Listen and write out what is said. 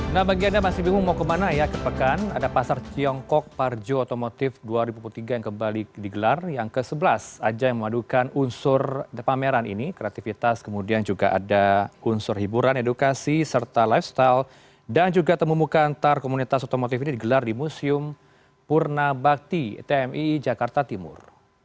nah bagi anda yang masih bingung mau kemana ya kepekan ada pasar tiongkok parjo otomotif dua ribu tiga yang kembali digelar yang ke sebelas aja yang memadukan unsur pameran ini kreativitas kemudian juga ada unsur hiburan edukasi serta lifestyle dan juga temubuka antar komunitas otomotif ini digelar di museum purna bakti tmi jakarta timur